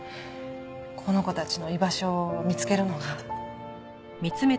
この子たちの居場所を見つけるのが。